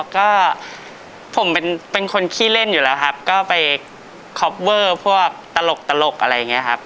อ๋อก็ผมเป็นเป็นคนขี้เล่นอยู่แล้วครับก็ไปพวกตลกตลกอะไรอย่างเงี้ยครับ